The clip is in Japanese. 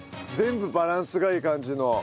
全部バランスがいい感じの。